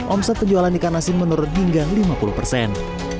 omset penjualan ikan asin menurun hingga lima puluh persen